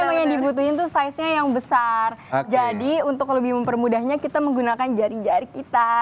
karena yang dibutuhin tuh saiznya yang besar jadi untuk lebih mempermudahnya kita menggunakan jari jari kita